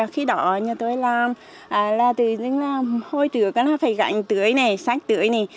khi đó nhà tôi làm tự nhiên là hôi tửa phải gạnh tưới sách tưới